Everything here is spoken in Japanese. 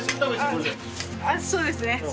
そうですね